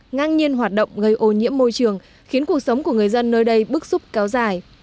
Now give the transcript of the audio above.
ngang nhiên hoạt động gây ô nhiễm môi trường khiến cuộc sống của người dân nơi đây bức xúc kéo dài